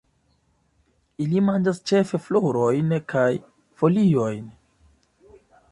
Ili manĝas ĉefe florojn kaj foliojn.